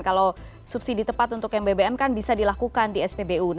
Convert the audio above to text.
kalau subsidi tepat untuk yang bbm kan bisa dilakukan di spbu